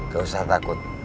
gak usah takut